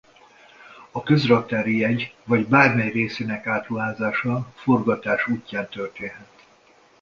A közraktári jegy vagy bármely részének átruházása forgatás útján történhet.